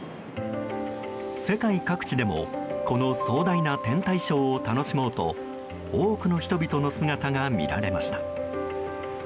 世界各地でも、この壮大な天体ショーを楽しもうと多くの人々の姿が見られました。